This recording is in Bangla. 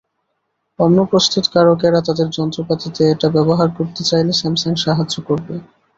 অন্য প্রস্তুতকারকেরা তাদের যন্ত্রপাতিতে এটা ব্যবহার করতে চাইলে স্যামসাং সাহায্য করবে।